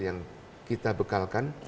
yang kita bekalkan